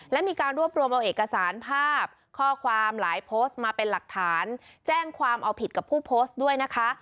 และมีการรวบรวมเอาเอกสารภาพข้อความหลายโพสต์มาเป็นหลักฐานแจ้งความเอาผิดกับผู้โพสต์ด้วยนะคะ